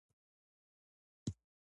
پریشاني بد دی.